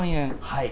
はい。